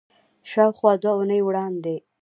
شاوخوا دوه اونۍ وړاندې